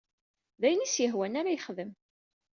D ayen i s-yehwan ara yexdem